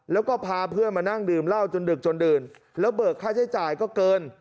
แล้วก็พาเพื่อนมานั่งดื่มเหล้าจนดึกจนดื่นแล้วเบิกค่าใช้จ่ายก็เกิน